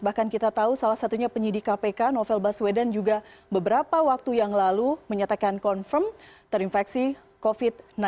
bahkan kita tahu salah satunya penyidik kpk novel baswedan juga beberapa waktu yang lalu menyatakan confirm terinfeksi covid sembilan belas